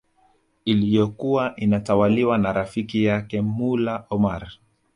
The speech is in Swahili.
iliyokuwa inatawaliwa na rafiki yake Mullah Omar